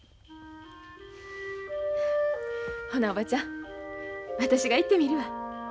ほなおばちゃん私が行ってみるわ。